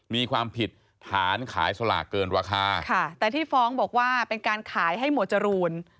มีความผิดฐานขายสลากเกินราคาค่ะแต่ที่ฟ้องบอกว่าเป็นการขายให้หมวดจรูน